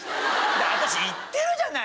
私言ってるじゃない？